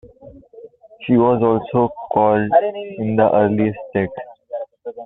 She was also called "Gubarra" in the earliest texts.